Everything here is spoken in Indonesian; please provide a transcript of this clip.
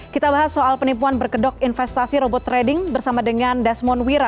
kita bahas soal penipuan berkedok investasi robot trading bersama dengan desmond wira